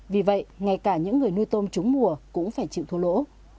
vì vậy ngay cả những người nuôi tôm trúng mùa cũng phải chịu thua lỗ